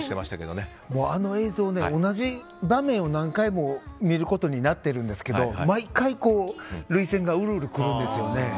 もうあの映像、同じ場面を何回も見ることになっているんですけど毎回、涙腺がうるうるくるんですよね。